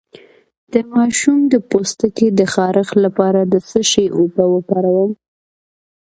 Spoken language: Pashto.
د ماشوم د پوستکي د خارښ لپاره د څه شي اوبه وکاروم؟